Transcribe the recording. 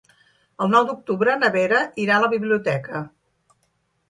El nou d'octubre na Vera irà a la biblioteca.